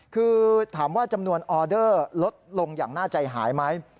คือถามว่าจำนวนออเดอร์ลดลงอย่างน่าใจหายไหม